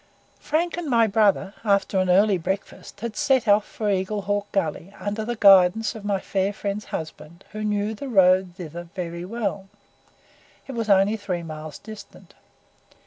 Frank and my brother, after an early breakfast, had set out for Eagle Hawk Gully under the guidance of my fair friend's husband, who knew the road thither very well; it was only three miles distant.